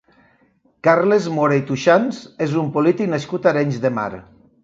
Carles Móra i Tuxans és un polític nascut a Arenys de Mar.